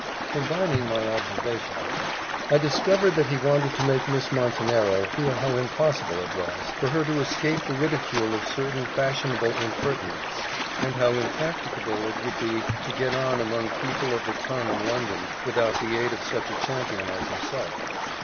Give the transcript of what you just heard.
Combining my observations, I discovered that he wanted to make Miss Montenero feel how impossible it was for her to escape the ridicule of certain fashionable impertinents, and how impracticable it would be to get on among people of the ton in London, without the aid of such a champion as himself.